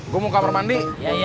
gue mau ke kamar mandi